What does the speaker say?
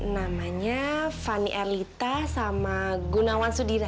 namanya fani erlita sama gunawan sudira